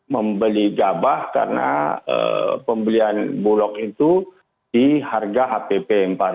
membeli gabah karena pembelian bulog itu di harga hpp empat puluh